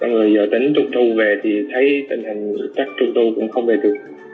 giờ tính trung thu về thì thấy tình hình chắc trung thu cũng không về được